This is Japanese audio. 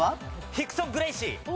ヒクソン・グレイシー。